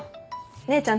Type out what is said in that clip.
姉ちゃん